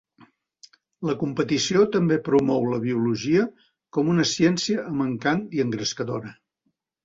La competició també promou la Biologia com una ciència amb encant i engrescadora.